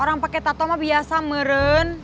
orang pake tato mah biasa meren